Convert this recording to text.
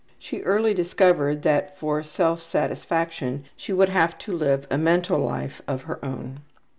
She early discovered that for self satisfaction she would have to live a mental life of her own.